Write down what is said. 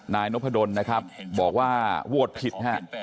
นายนพดลนะครับบอกว่าโหวตผิดฮะ